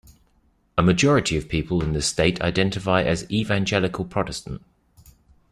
A majority of people in the state identify as Evangelical Protestant.